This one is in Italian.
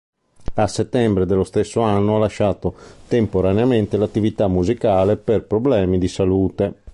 A settembre dello stesso anno ha lasciato temporaneamente l'attività musicale per problemi di salute.